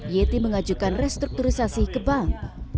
yeti mengajukan restrukturisasi ke bank